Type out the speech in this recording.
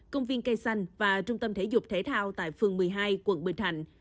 công viên cây xanh và trung tâm thể dục thể thao tại phường một mươi hai quận bình thạnh